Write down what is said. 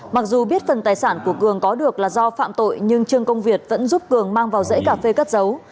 mặc dù biết phần tài sản của cường có được là do phạm tội nhưng trương công việt vẫn giúp cường mang vào dãy cà phê cất dấu